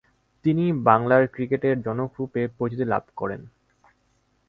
তিনি বাংলার ক্রিকেটের জনকরূপে পরিচিতি লাভ করেন।